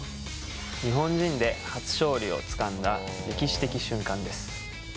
日本人で初勝利をつかんだ歴史的瞬間です。